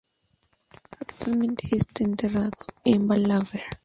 Actualmente está enterrado en Balaguer.